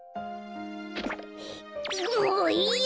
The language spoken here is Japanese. もういいよ！